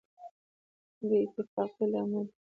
بې اتفاقۍ له امله.